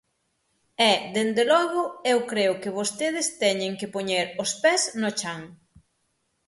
E, dende logo, eu creo que vostedes teñen que poñer os pés no chan.